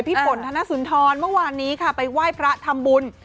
พี่ฝนธนสุนทรเมื่อวานนี้ค่ะไปไหว้พระทำบุญ